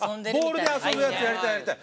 ボールで遊ぶやつやりたいやりたい。